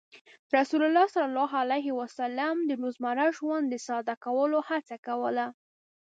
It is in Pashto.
رسول الله صلى الله عليه وسلم د روزمره ژوند د ساده کولو هڅه کوله.